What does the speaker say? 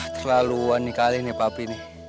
terlaluan kali ini papi